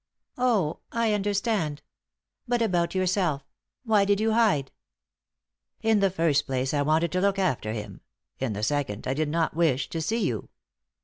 "Oh, I understand. But about yourself, why did you hide?" "In the first place I wanted to look after him. In the second, I did not wish to see you."